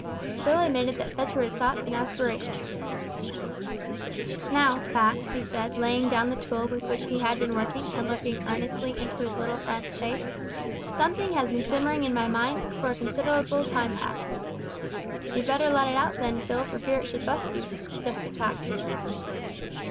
Phil admitted that such were his thoughts and aspirations. "Now, Pax," he said, laying down the tool with which he had been working, and looking earnestly into his little friend's face, "something has been simmering in my mind for a considerable time past." "You'd better let it out then, Phil, for fear it should bu'st you," suggested Pax.